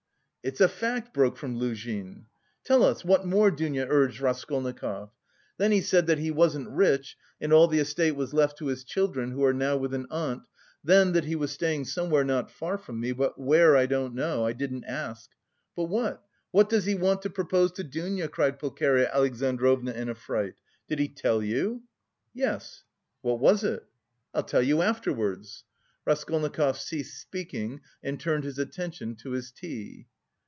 "It's a fact!" broke from Luzhin. "Tell us, what more?" Dounia urged Raskolnikov. "Then he said that he wasn't rich and all the estate was left to his children who are now with an aunt, then that he was staying somewhere not far from me, but where, I don't know, I didn't ask...." "But what, what does he want to propose to Dounia?" cried Pulcheria Alexandrovna in a fright. "Did he tell you?" "Yes." "What was it?" "I'll tell you afterwards." Raskolnikov ceased speaking and turned his attention to his tea.